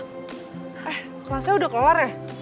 eh kelasnya udah kelar ya